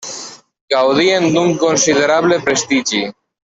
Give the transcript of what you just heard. Gaudien d'un considerable prestigi.